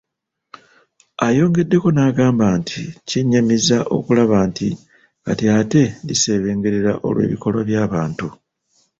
Ayongeddeko n'agamba nti kyennyamiza okulaba nti kati ate lisebengerera olw'ebikolwa by'abantu.